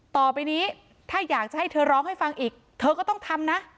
ต่อไปนี้ถ้าอยากจะให้เธอร้องให้ฟังอีกเธอก็ต้องทำนะ